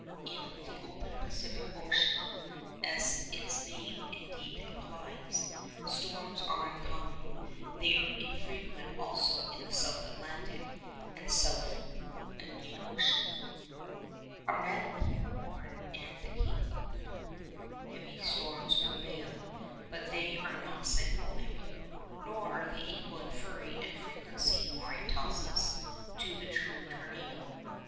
In the open Pacific Ocean (as its name, indeed, implies) storms are uncommon; they are infrequent also in the South Atlantic and South Indian Oceans. Around Cape Horn and the Cape of Good Hope heavy storms prevail, but they are not cyclonic, nor are they equal in fury and frequency, Maury tells us, to the true tornado.